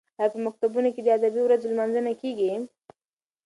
ایا په مکتبونو کې د ادبي ورځو لمانځنه کیږي؟